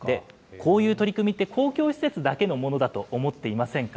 こういう取り組みって、公共施設だけのものだと思っていませんか。